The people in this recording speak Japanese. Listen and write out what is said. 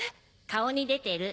顔に出てる。